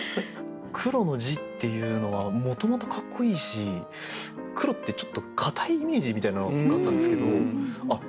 「黒」の字っていうのはもともとかっこいいし「黒」ってちょっとかたいイメージみたいなのがあったんですけどあっ